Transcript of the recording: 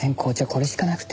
これしかなくて。